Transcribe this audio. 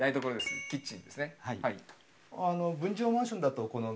キッチンですね。